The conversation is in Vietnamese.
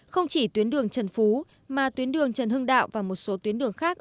không chỉ tuyến đường trần phú mà tuyến đường trần hưng đạo và một số tuyến đường khác